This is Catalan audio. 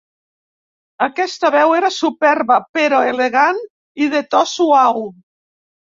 Aquesta veu era superba, però elegant i de to suau.